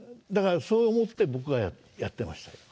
だからそう思って僕はやってました。